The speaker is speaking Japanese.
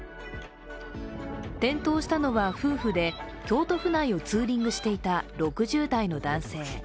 転倒したのは夫婦で、京都府内をツーリングしていた６０代の男性。